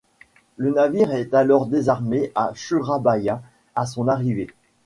Le navire est alors désarmé à Surabaya à son arrivée.